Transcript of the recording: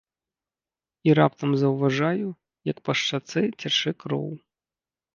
І раптам заўважаю, як па шчацэ цячэ кроў.